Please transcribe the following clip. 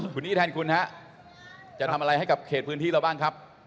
คุณนี่แทนคุณฮะจะทำอะไรให้กับเขตพื้นที่เราบ้างครับ